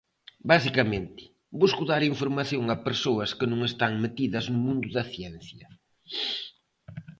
Basicamente, busco dar información a persoas que non están metidas no mundo da ciencia.